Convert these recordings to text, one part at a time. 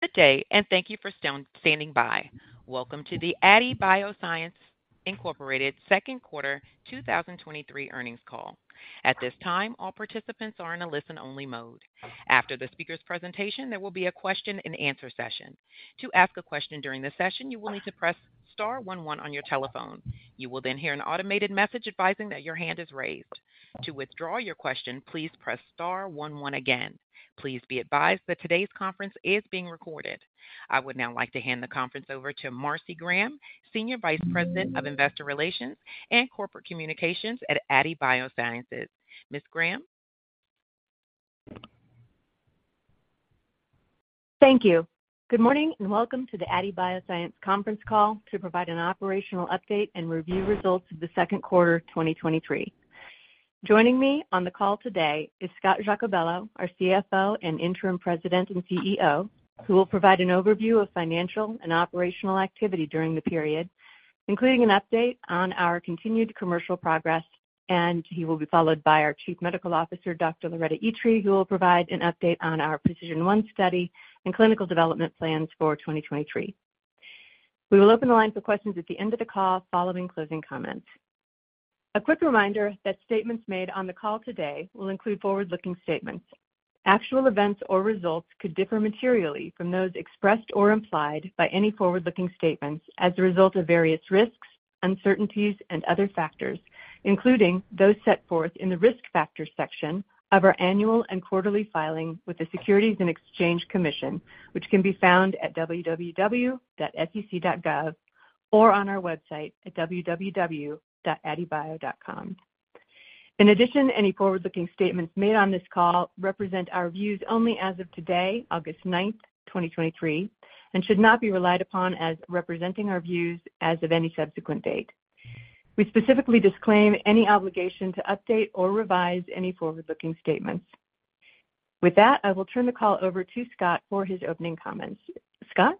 Good day, and thank you for standing by. Welcome to the Aadi Bioscience Incorporated Q2 2023 earnings call. At this time, all participants are in a listen-only mode. After the speaker's presentation, there will be a question and answer session. To ask a question during the session, you will need to press star 11 on your telephone. You will then hear an automated message advising that your hand is raised. To withdraw your question, please press star 11 again. Please be advised that today's conference is being recorded. I would now like to hand the conference over to Marcy Graham, Senior Vice President of Investor Relations and Corporate Communications at Aadi Biosciences. Ms. Graham? Thank you. Good morning, and welcome to the Aadi Bioscience conference call to provide an operational update and review results of the Q2 2023. Joining me on the call today is Scott Giacobello, our CFO, and Interim President and CEO, who will provide an overview of financial and operational activity during the period, including an update on our continued commercial progress, and he will be followed by our Chief Medical Officer, Dr. Loretta Itri, who will provide an update on our PRECISION 1 study and clinical development plans for 2023. We will open the line for questions at the end of the call following closing comments. A quick reminder that statements made on the call today will include forward-looking statements. Actual events or results could differ materially from those expressed or implied by any forward-looking statements as a result of various risks, uncertainties, and other factors, including those set forth in the Risk Factors section of our annual and quarterly filing with the Securities and Exchange Commission, which can be found at www.sec.gov or on our website at www.aadibio.com. In addition, any forward-looking statements made on this call represent our views only as of today, August 9th, 2023, and should not be relied upon as representing our views as of any subsequent date. We specifically disclaim any obligation to update or revise any forward-looking statements. With that, I will turn the call over to Scott for his opening comments. Scott?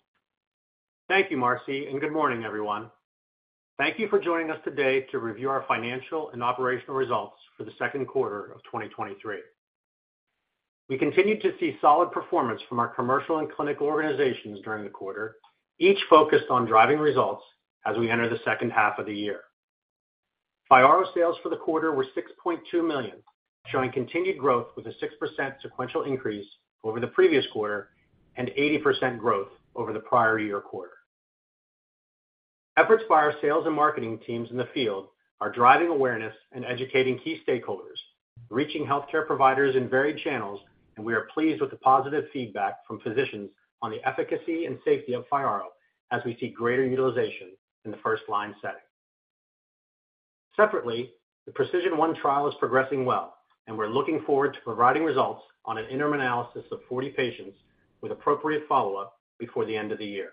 Thank you, Marcy, and good morning, everyone. Thank you for joining us today to review our financial and operational results for the second quarter of 2023. We continued to see solid performance from our commercial and clinical organizations during the quarter, each focused on driving results as we enter the second half of the year. FYARRO sales for the quarter were $6.2 million, showing continued growth with a 6% sequential increase over the previous quarter and 80% growth over the prior year quarter. Efforts by our sales and marketing teams in the field are driving awareness and educating key stakeholders, reaching healthcare providers in varied channels, and we are pleased with the positive feedback from physicians on the efficacy and safety of FYARRO as we see greater utilization in the first-line setting. Separately, the PRECISION 1 trial is progressing well. We're looking forward to providing results on an interim analysis of 40 patients with appropriate follow-up before the end of the year.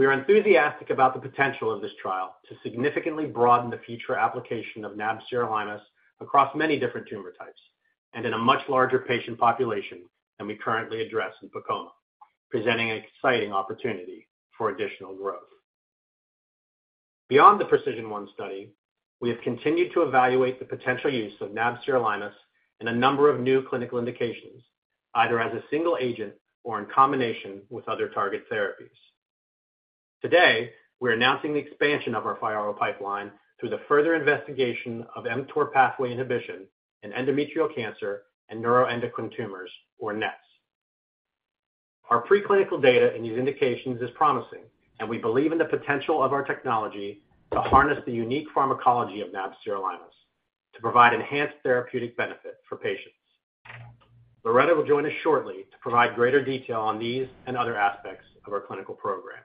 We are enthusiastic about the potential of this trial to significantly broaden the future application of nab-sirolimus across many different tumor types and in a much larger patient population than we currently address in PEComa, presenting an exciting opportunity for additional growth. Beyond the PRECISION 1 study, we have continued to evaluate the potential use of nab-sirolimus in a number of new clinical indications, either as a single agent or in combination with other targeted therapies. Today, we're announcing the expansion of our FYARRO pipeline through the further investigation of mTOR pathway inhibition in endometrial cancer and neuroendocrine tumors, or NETs. Our preclinical data in these indications is promising, and we believe in the potential of our technology to harness the unique pharmacology of nab-sirolimus to provide enhanced therapeutic benefit for patients. Loretta will join us shortly to provide greater detail on these and other aspects of our clinical programs.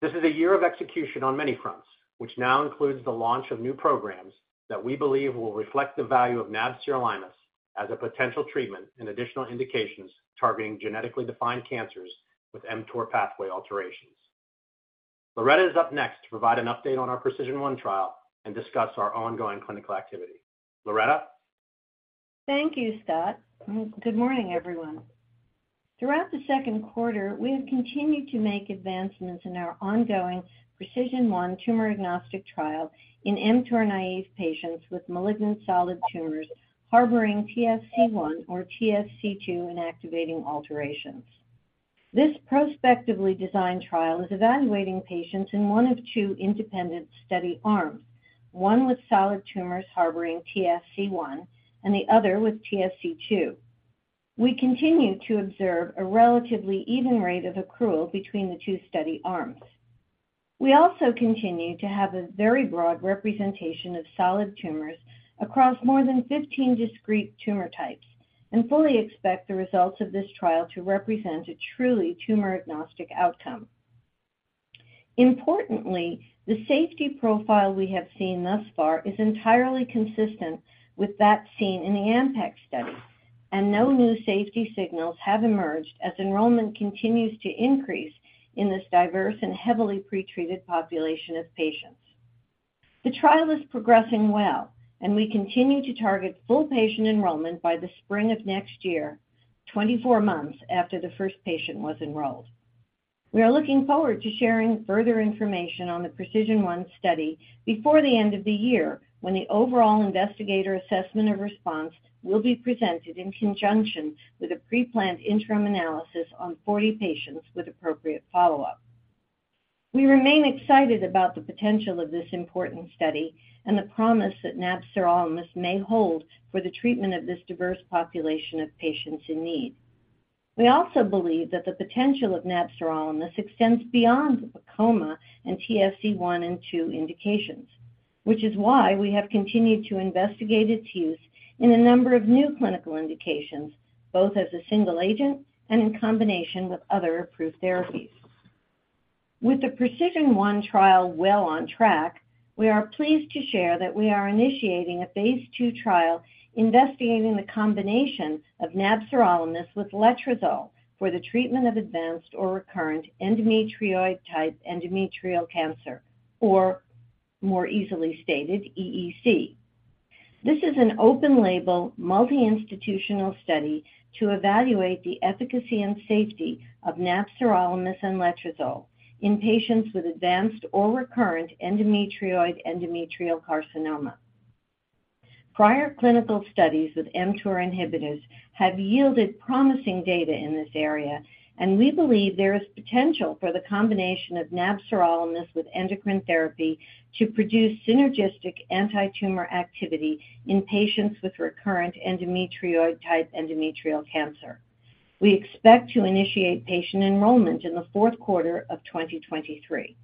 This is a year of execution on many fronts, which now includes the launch of new programs that we believe will reflect the value of nab-sirolimus as a potential treatment in additional indications, targeting genetically defined cancers with mTOR pathway alterations. Loretta is up next to provide an update on our PRECISION 1 trial and discuss our ongoing clinical activity. Loretta? Thank you, Scott. Good morning, everyone. Throughout the Q2 we have continued to make advancements in our ongoing PRECISION 1 tumor-agnostic trial in mTOR-naïve patients with malignant solid tumors harboring TSC1 or TSC2 inactivating alterations. This prospectively designed trial is evaluating patients in one of two independent study arms, one with solid tumors harboring TSC1 and the other with TSC2. We continue to observe a relatively even rate of accrual between the two study arms. We also continue to have a very broad representation of solid tumors across more than 15 discrete tumor types and fully expect the results of this trial to represent a truly tumor-agnostic outcome. Importantly, the safety profile we have seen thus far is entirely consistent with that seen in the AMPECT study, and no new safety signals have emerged as enrollment continues to increase in this diverse and heavily pretreated population of patients. The trial is progressing well, and we continue to target full patient enrollment by the spring of next year, 24 months after the first patient was enrolled. We are looking forward to sharing further information on the PRECISION 1 study before the end of the year, when the overall investigator assessment and response will be presented in conjunction with a preplanned interim analysis on 40 patients with appropriate follow-up. We remain excited about the potential of this important study and the promise that nab-sirolimus may hold for the treatment of this diverse population of patients in need. We also believe that the potential of nab-sirolimus extends beyond the sarcoma and TSC1 and TSC2 indications, which is why we have continued to investigate its use in a number of new clinical indications, both as a single agent and in combination with other approved therapies. With the PRECISION 1 trial well on track, we are pleased to share that we are initiating a phase 2 trial investigating the combination of nab-sirolimus with letrozole for the treatment of advanced or recurrent endometrioid endometrial cancer or more easily stated, EEC. This is an open-label, multi-institutional study to evaluate the efficacy and safety of nab-sirolimus and letrozole in patients with advanced or recurrent endometrioid endometrial carcinoma. Prior clinical studies with mTOR inhibitors have yielded promising data in this area, and we believe there is potential for the combination of nab-sirolimus with endocrine therapy to produce synergistic antitumor activity in patients with recurrent endometrioid type endometrial cancer. We expect to initiate patient enrollment in the Q4 of 2023.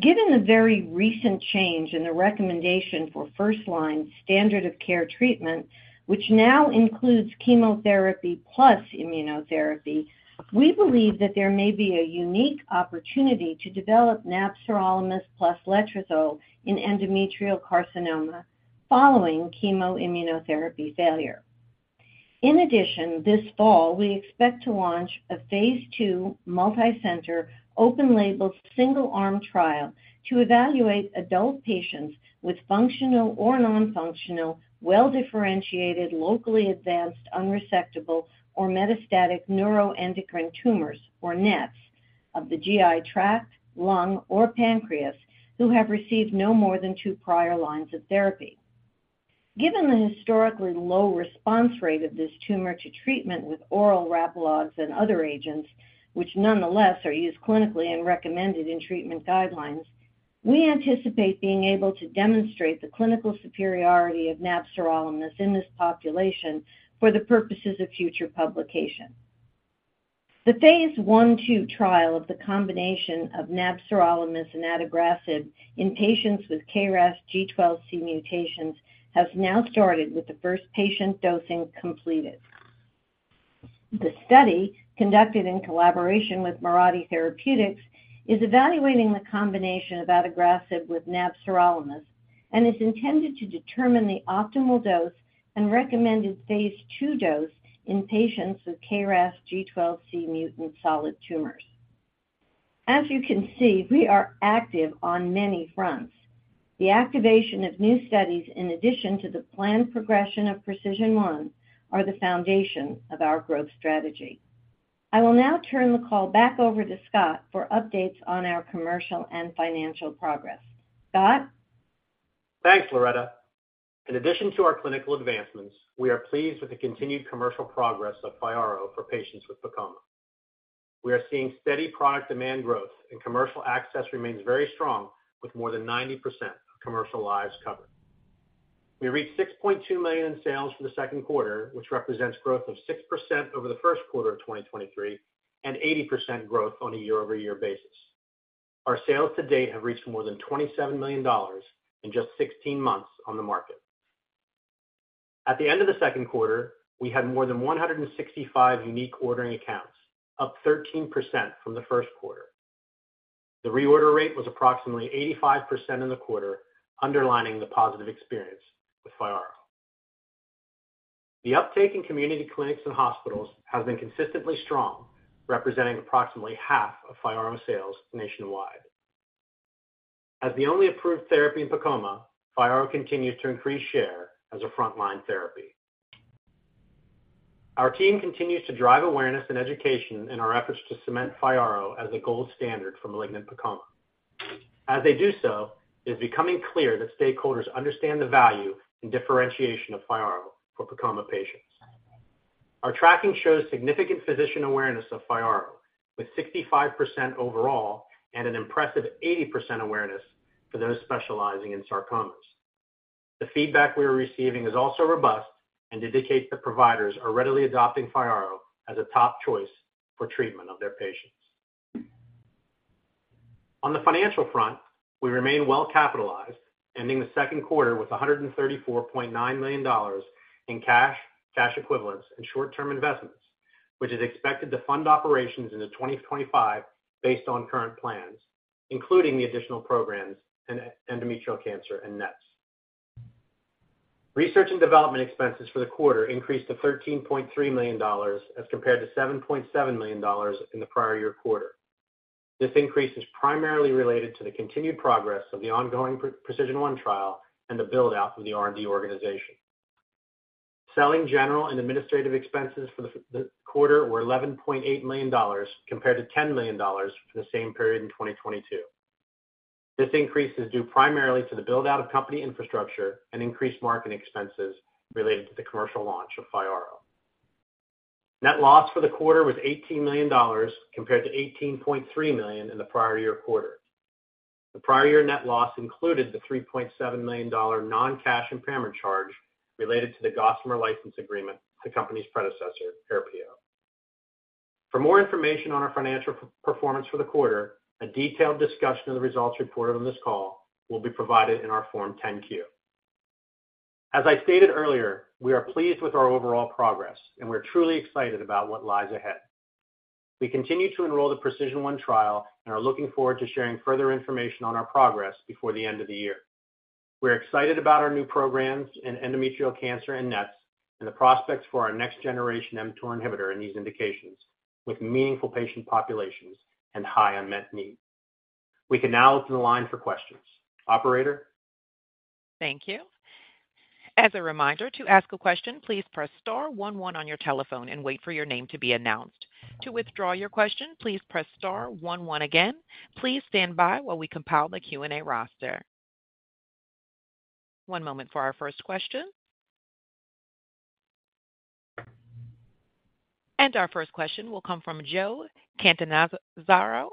Given the very recent change in the recommendation for first-line standard of care treatment, which now includes chemotherapy plus immunotherapy, we believe that there may be a unique opportunity to develop nab-sirolimus plus letrozole in endometrial carcinoma following chemo-immunotherapy failure. This fall, we expect to launch a phase 2 multicenter, open-label, single-arm trial to evaluate adult patients with functional or nonfunctional, well-differentiated, locally advanced, unresectable, or metastatic neuroendocrine tumors, or NETs, of the GI tract, lung, or pancreas, who have received no more than 2 prior lines of therapy. Given the historically low response rate of this tumor to treatment with oral rapalogs and other agents, which nonetheless are used clinically and recommended in treatment guidelines, we anticipate being able to demonstrate the clinical superiority of nab-sirolimus in this population for the purposes of future publication. The phase 1/2 trial of the combination of nab-sirolimus and adagrasib in patients with KRAS G12C mutations has now started with the first patient dosing completed. The study, conducted in collaboration with Mirati Therapeutics, is evaluating the combination of adagrasib with nab-sirolimus and is intended to determine the optimal dose and recommended phase 2 dose in patients with KRAS G12C mutant solid tumors. As you can see, we are active on many fronts. The activation of new studies, in addition to the planned progression of PRECISION 1, are the foundation of our growth strategy. I will now turn the call back over to Scott for updates on our commercial and financial progress. Scott? Thanks, Loretta. In addition to our clinical advancements, we are pleased with the continued commercial progress of FYARRO for patients with sarcoma. We are seeing steady product demand growth and commercial access remains very strong, with more than 90% of commercial lives covered. We reached $6.2 million in sales for the Q2, which represents growth of 6% over the Q1 of 2023, and 80% growth on a year-over-year basis. Our sales to date have reached more than $27 million in just 16 months on the market. At the end of the Q2, we had more than 165 unique ordering accounts, up 13% from the Q1. The reorder rate was approximately 85% in the quarter, underlining the positive experience with FYARRO. The uptake in community clinics and hospitals has been consistently strong, representing approximately half of FYARRO sales nationwide. As the only approved therapy in sarcoma, FYARRO continues to increase share as a frontline therapy. Our team continues to drive awareness and education in our efforts to cement FYARRO as a gold standard for malignant sarcoma. As they do so, it is becoming clear that stakeholders understand the value and differentiation of FYARRO for sarcoma patients. Our tracking shows significant physician awareness of FYARRO, with 65% overall and an impressive 80% awareness for those specializing in sarcomas. The feedback we are receiving is also robust and indicates that providers are readily adopting FYARRO as a top choice for treatment of their patients. On the financial front, we remain well capitalized, ending the Q2 with $134.9 million in cash, cash equivalents, and short-term investments, which is expected to fund operations into 2025 based on current plans, including the additional programs in endometrial cancer and NETs. Research and development expenses for the quarter increased to $13.3 million, as compared to $7.7 million in the prior year quarter. This increase is primarily related to the continued progress of the ongoing PRECISION 1 trial and the build-out of the R&D organization. Selling general and administrative expenses for the quarter were $11.8 million compared to $10 million for the same period in 2022. This increase is due primarily to the build-out of company infrastructure and increased marketing expenses related to the commercial launch of FYARRO. Net loss for the quarter was $18 million, compared to $18.3 million in the prior year quarter. The prior year net loss included the $3.7 million non-cash impairment charge related to the Gossamer license agreement to company's predecessor, Aerpio. For more information on our financial performance for the quarter, a detailed discussion of the results reported on this call will be provided in our Form 10-Q. As I stated earlier, we are pleased with our overall progress, and we're truly excited about what lies ahead. We continue to enroll the PRECISION 1 trial and are looking forward to sharing further information on our progress before the end of the year. We're excited about our new programs in endometrial cancer and NETs and the prospects for our next generation mTOR inhibitor in these indications, with meaningful patient populations and high unmet need. We can now open the line for questions. Operator? Thank you. As a reminder, to ask a question, please press star one, one on your telephone and wait for your name to be announced. To withdraw your question, please press star one, one again. Please stand by while we compile the Q&A roster. 1 moment for our first question. Our first question will come from Joe Catanzaro.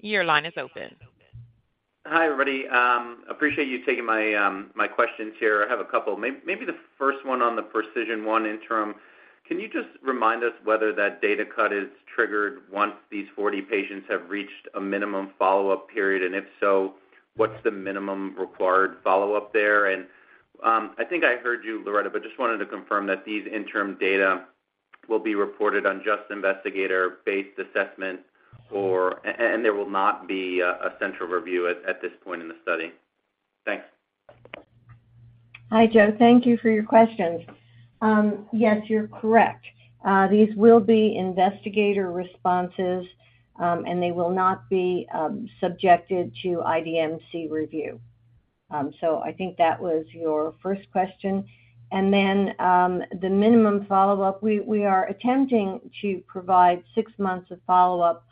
Your line is open. Hi, everybody. Appreciate you taking my questions here. I have a couple. Maybe the first one on the PRECISION 1 interim, can you just remind us whether that data cut is triggered once these 40 patients have reached a minimum follow-up period, and if so, what's the minimum required follow-up there? I think I heard you, Loretta, but just wanted to confirm that these interim data will be reported on just investigator-based assessments, or there will not be a central review at this point in the study? Thanks. Hi, Joe. Thank you for your questions. Yes, you're correct. These will be investigator responses, and they will not be subjected to IDMC review. I think that was your first question. The minimum follow-up, we, we are attempting to provide 6 months of follow-up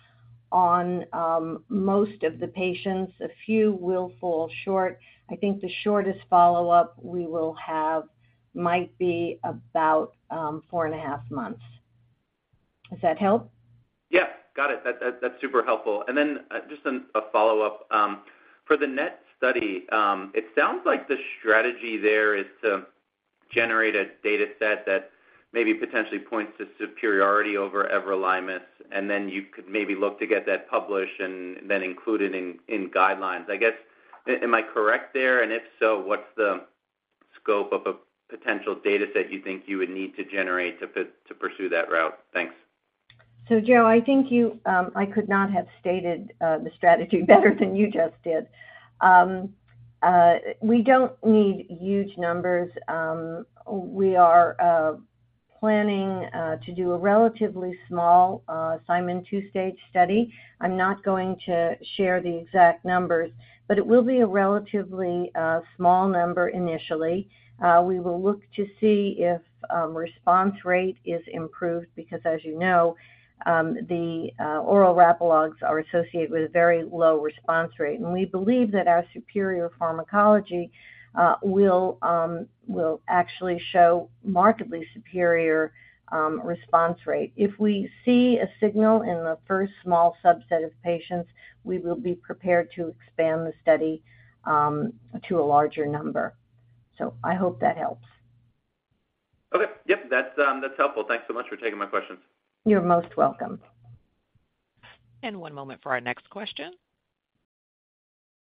on most of the patients. A few will fall short. I think the shortest follow-up we will have might be about 4.5 months. Does that help? Yeah, got it. That, that, that's super helpful. Then just a follow-up. For the NET study, it sounds like the strategy there is to generate a data set that maybe potentially points to superiority over everolimus, and then you could maybe look to get that published and then included in, in guidelines. I guess, am I correct there? If so, what's the scope of a potential data set you think you would need to generate to pursue that route? Thanks. Joe, I think you, I could not have stated the strategy better than you just did. We don't need huge numbers. We are planning to do a relatively small Simon two-stage study. I'm not going to share the exact numbers, but it will be a relatively small number initially. We will look to see if response rate is improved, because as the oral rapalogs are associated with a very low response rate. We believe that our superior pharmacology will actually show markedly superior response rate. If we see a signal in the first small subset of patients, we will be prepared to expand the study to a larger number. I hope that helps. Okay. Yep, that's helpful. Thanks so much for taking my questions. You're most welcome. One moment for our next question.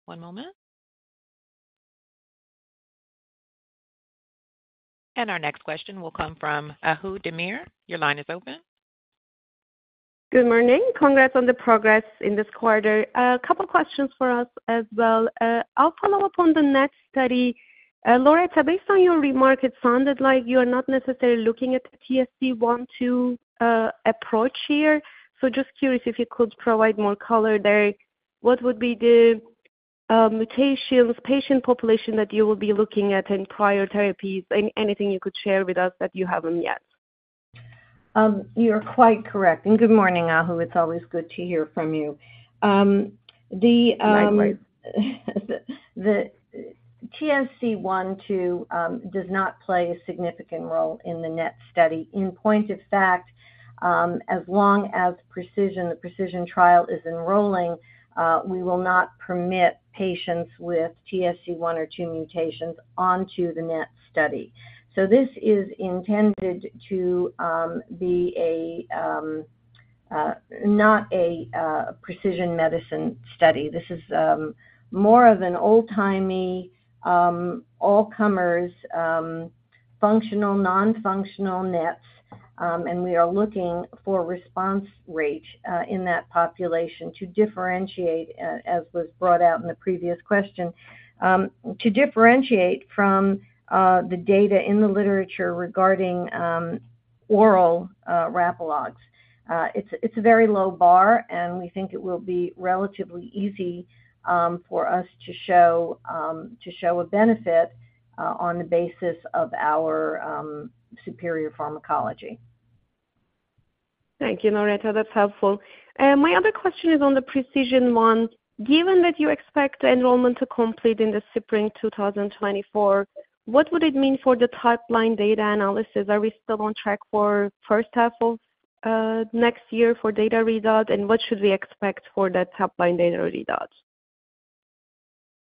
One moment. Our next question will come from Ahu Demir. Your line is open. Good morning. Congrats on the progress in this quarter. A couple questions for us as well. I'll follow up on the NET study. Loretta, based on your remark, it sounded like you are not necessarily looking at the TSC1, TSC2 approach here. Just curious if you could provide more color there. What would be the mutations, patient population that you will be looking at in prior therapies? Anything you could share with us that you haven't yet? You're quite correct. Good morning, Ahu. It's always good to hear from you. Likewise. The TSC1, TSC2 does not play a significant role in the NET study. In point of fact, as long as PRECISION 1, the PRECISION 1 trial is enrolling, we will not permit patients with TSC1 or 2 mutations onto the NET study. This is intended to be a not a precision medicine study. This is more of an old-timey, all-comers, functional, non-functional NETs, and we are looking for response rate in that population to differentiate, a-as was brought out in the previous question. To differentiate from the data in the literature regarding oral rapalogs. It's, it's a very low bar, and we think it will be relatively easy for us to show to show a benefit on the basis of our superior pharmacology. Thank you, Loretta. That's helpful. My other question is on the PRECISION 1. Given that you expect enrollment to complete in the spring 2024, what would it mean for the top-line data analysis? Are we still on track for first half of next year for data results, and what should we expect for that top-line data results?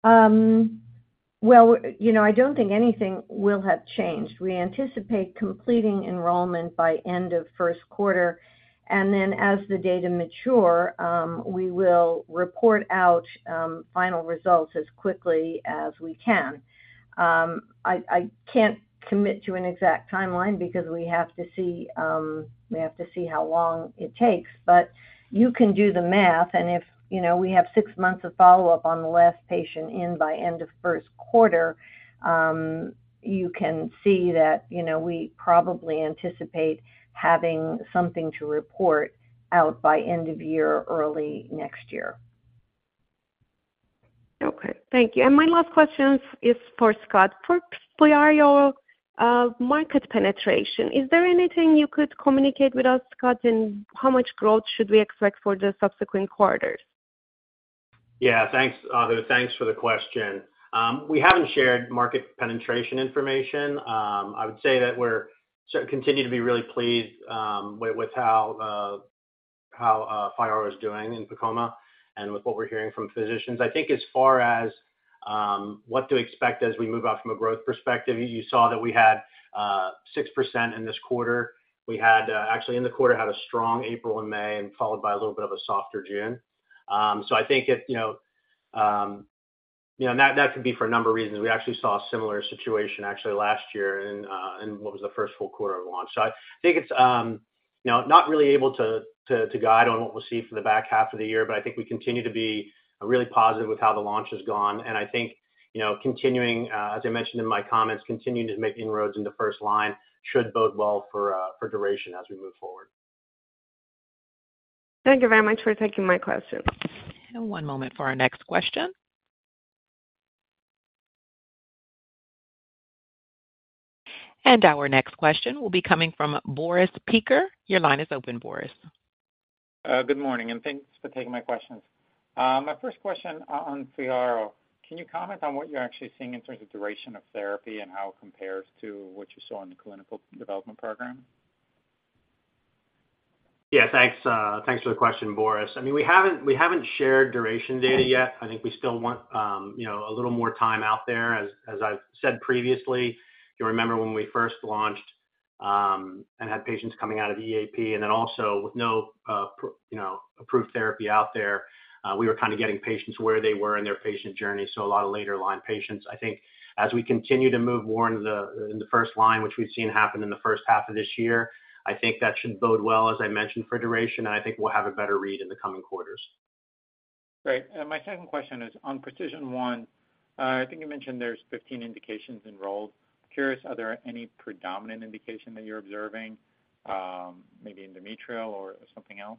Well, I don't think anything will have changed. We anticipate completing enrollment by end of Q1. As the data mature, we will report out final results as quickly as we can. I, I can't commit to an exact timeline because we have to see, we have to see how long it takes. You can do the math, and if, we have 6 months of follow-up on the last patient in by end of Q1, you can see that, we probably anticipate having something to report out by end of year, early next year. Okay. Thank you. My last question is for Scott. For FYARRO, market penetration, is there anything you could communicate with us, Scott, and how much growth should we expect for the subsequent quarters? Yeah, thanks, thanks for the question. We haven't shared market penetration information. I would say that we're sort of continue to be really pleased with, with how, how FYARRO is doing in PEComa and with what we're hearing from physicians. I think as far as what to expect as we move out from a growth perspective, you saw that we had 6% in this quarter. We had, actually, in the quarter, had a strong April and May and followed by a little bit of a softer June. I think it and that, that could be for a number of reasons. We actually saw a similar situation actually last year in what was the first full quarter of launch. I think it's not really able to, to, to guide on what we'll see for the back half of the year, but I think we continue to be really positive with how the launch has gone, and I think, continuing, as I mentioned in my comments, continuing to make inroads in the first line should bode well for, for duration as we move forward. Thank you very much for taking my questions. One moment for our next question. Our next question will be coming from Boris Peaker. Your line is open, Boris. Good morning, and thanks for taking my questions. My first question on FYARRO: Can you comment on what you're actually seeing in terms of duration of therapy and how it compares to what you saw in the clinical development program? Yeah, thanks, thanks for the question, Boris. I mean, we haven't, we haven't shared duration data yet. I think we still want, a little more time out there. As I've said previously, you remember when we first launched, and had patients coming out of the EAP, and then also with no approved therapy out there, we were kind of getting patients where they were in their patient journey, so a lot of later-line patients. I think as we continue to move more into the first line, which we've seen happen in the first half of this year, I think that should bode well, as I mentioned, for duration, and I think we'll have a better read in the coming quarters. Great. My second question is on PRECISION 1. I think you mentioned there's 15 indications enrolled. Curious, are there any predominant indication that you're observing, maybe endometrial or something else?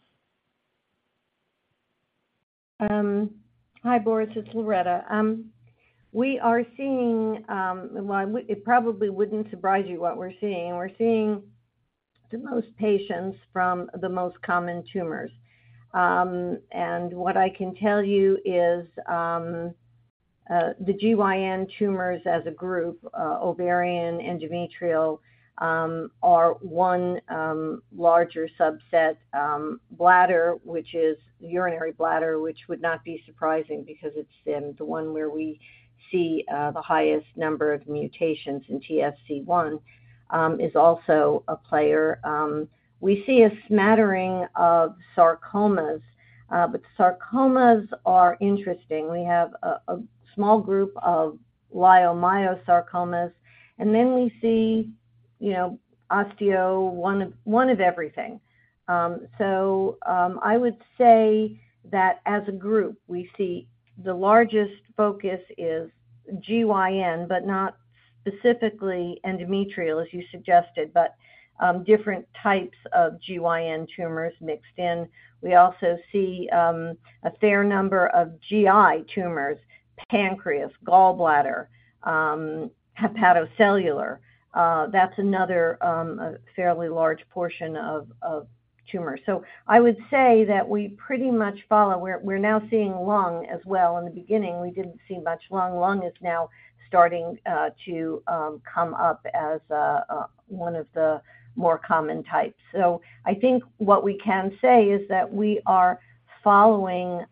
Hi, Boris. It's Loretta. We are seeing, Well, it probably wouldn't surprise you what we're seeing. We're seeing the most patients from the most common tumors. What I can tell you is, the GYN tumors as a group, ovarian, endometrial, are 1 larger subset. Bladder, which is urinary bladder, which would not be surprising because it's been the 1 where we see the highest number of mutations in TSC1, is also a player. We see a smattering of sarcomas, but sarcomas are interesting. We have a, a small group of leiomyosarcomas, and then we see osteo, 1 of, 1 of everything. I would say that as a group, we see the largest focus is GYN, but not specifically endometrial, as you suggested, but, different types of GYN tumors mixed in. We also see, a fair number of GI tumors, pancreas, gallbladder, hepatocellular. That's another, a fairly large portion of, of tumor. I would say that we pretty much follow. We're now seeing lung as well. In the beginning, we didn't see much lung. Lung is now starting, to, come up as, one of the more common types. I think what we can say is that we are following,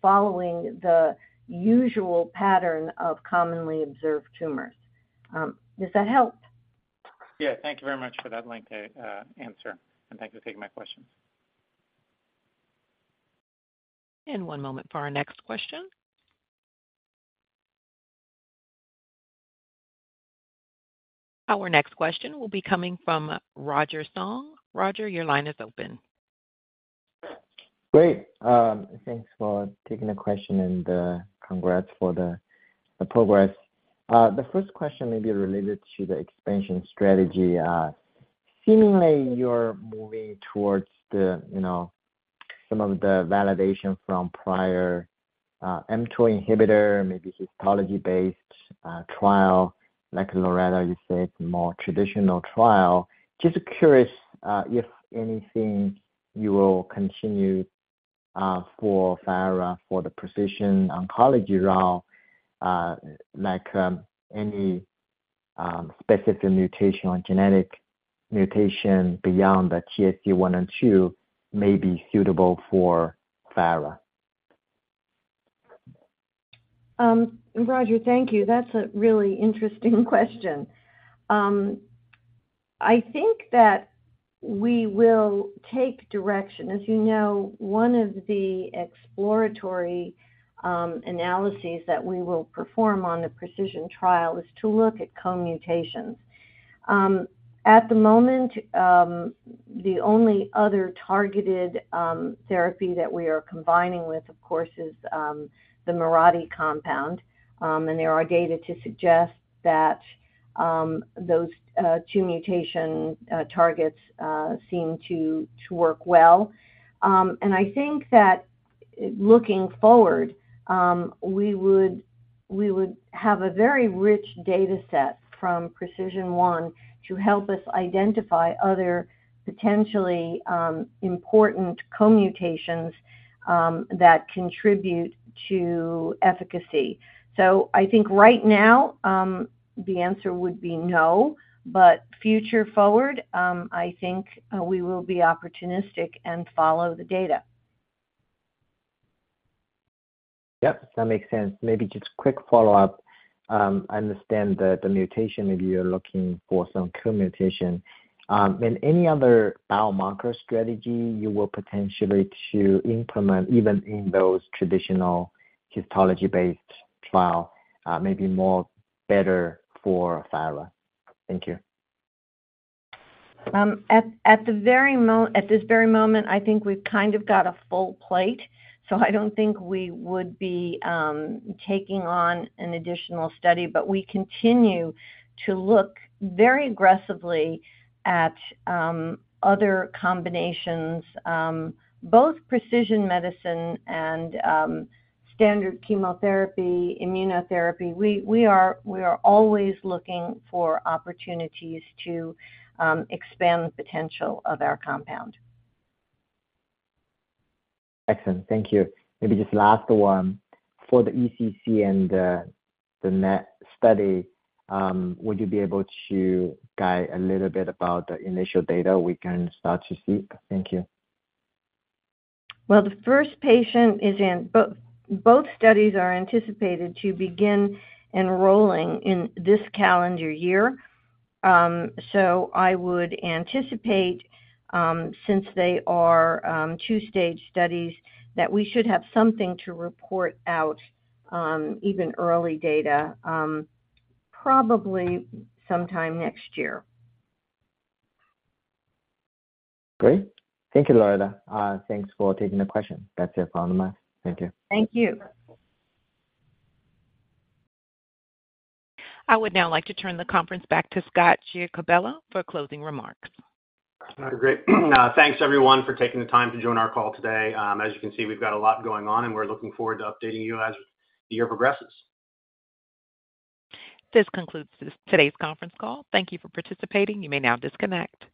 following the usual pattern of commonly observed tumors. Does that help? Yeah, thank you very much for that lengthy answer, and thanks for taking my questions. One moment for our next question. Our next question will be coming from Roger Song. Roger, your line is open. Great. Thanks for taking the question, congrats for the, the progress. The first question may be related to the expansion strategy. Seemingly, you're moving towards the, some of the validation from prior, mTOR inhibitor, maybe histology-based, trial, like Loretta, you said, more traditional trial. Just curious, if anything, you will continue for FYARRO, for the precision oncology route, like any specific mutational and genetic mutation beyond the TSC1 and TSC2 may be suitable for FYARRO? Roger, thank you. That's a really interesting question. I think that we will take direction. As you know, one of the exploratory analyses that we will perform on the PRECISION 1 trial is to look at co-mutations. At the moment, the only other targeted therapy that we are combining with, of course, is the Mirati compound. There are data to suggest that those two mutation targets seem to, to work well. I think that looking forward, we would, we would have a very rich data set from PRECISION 1 to help us identify other potentially important co-mutations that contribute to efficacy. I think right now, the answer would be no, but future forward, I think we will be opportunistic and follow the data. Yep, that makes sense. Maybe just quick follow-up. I understand the, the mutation, maybe you're looking for some co-mutation. Any other biomarker strategy you will potentially to implement, even in those traditional histology-based trial, maybe more better for FYARRO? Thank you. At this very moment, I think we've kind of got a full plate, so I don't think we would be taking on an additional study. We continue to look very aggressively at other combinations, both precision medicine and standard chemotherapy, immunotherapy. We, we are, we are always looking for opportunities to expand the potential of our compound. Excellent. Thank you. Maybe just last one. For the EEC and the, the NET study, would you be able to guide a little bit about the initial data we can start to see? Thank you. Well, the first patient is in, both studies are anticipated to begin enrolling in this calendar year. I would anticipate, since they are two-stage studies, that we should have something to report out, even early data, probably sometime next year. Great. Thank you, Loretta. Thanks for taking the question. That's it on my end. Thank you. Thank you. I would now like to turn the conference back to Scott Giacobello for closing remarks. Great. Thanks, everyone, for taking the time to join our call today. As you can see, we've got a lot going on, we're looking forward to updating you as the year progresses. This concludes this today's conference call. Thank you for participating. You may now disconnect.